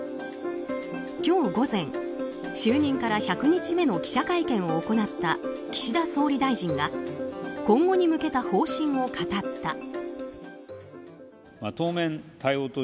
今日午前、就任から１００日目の記者会見を行った岸田総理大臣が今後に向けた方針を語った。